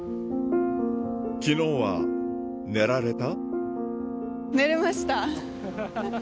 昨日は寝られた？